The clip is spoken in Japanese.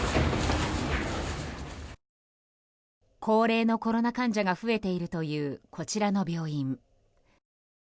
高齢のコロナ患者が増えているという、こちらの病院。